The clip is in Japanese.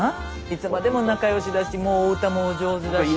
いつまでも仲良しだしお歌もお上手だし。